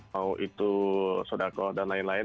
mau itu sodako dan lain lain